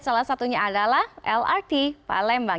salah satunya adalah lrt palembang